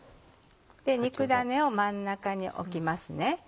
肉ダネを真ん中に置きますね。